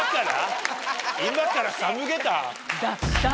今からサムゲタン？